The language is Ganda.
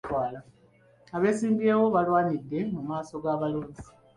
Abeesimbyewo baalwanidde mu maaso g'abalonzi.